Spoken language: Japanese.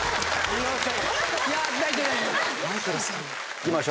いきましょう。